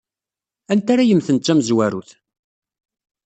Anta ara yemmten d tamezwarut?